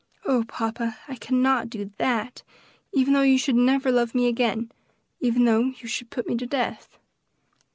Oh, papa, I cannot do that, even though you should never love me again; even though you should put me to death."